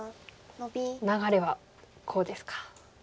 流れはこうですか。